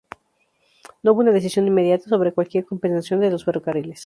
No hubo una decisión inmediata sobre cualquier compensación de los ferrocarriles.